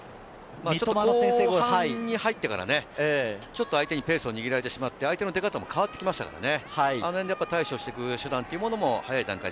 後半に入ってからちょっと相手にペースを握られてしまって、相手の出方も変わっていますよね。